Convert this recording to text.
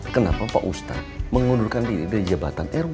kenapa pak ustadz mengundurkan diri dari jabatan rw